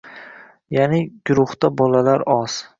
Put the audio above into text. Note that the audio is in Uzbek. yaʼni guruhda bolalar oz